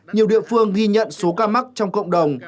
nhiều địa phương ghi nhận số ca mắc trong cộng đồng